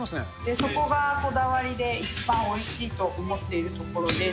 そこがこだわりで、一番おいしいと思っているところです。